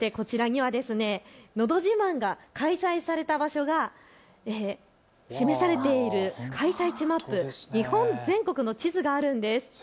のど自慢が開催された場所が示されている開催地マップ、日本全国の地図があるんです。